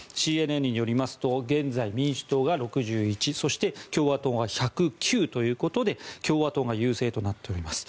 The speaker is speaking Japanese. ＣＮＮによりますと現在、民主党が６１そして共和党が１０９ということで共和党が優勢となっております。